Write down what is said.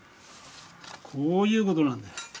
こういうことなんだよ。